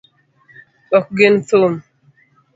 Ok gin thum.